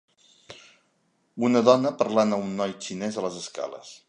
Una dona parlant a un noi xinès a les escales.